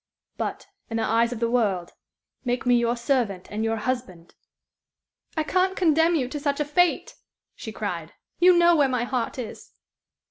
"But, in the eyes of the world, make me your servant and your husband!" "I can't condemn you to such a fate," she cried. "You know where my heart is."